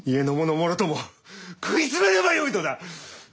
もろとも食いつめればよいのだ！